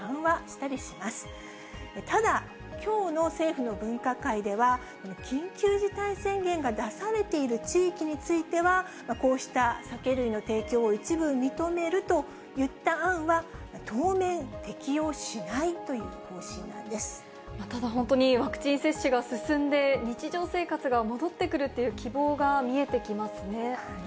ただ、きょうの政府の分科会では、緊急事態宣言が出されている地域については、こうした酒類の提供を一部認めるといった案は、当面適用しないとただ、本当にワクチン接種が進んで、日常生活が戻ってくるっていう希望が見えてきますね。